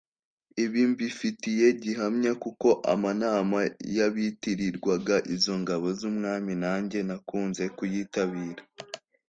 Ibi mbifitiye gihamya kuko amanama y’abitirirwaga izo ngabo z’umwami na njye nakunze kuyitabira